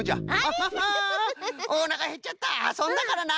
おなかへっちゃったあそんだからな。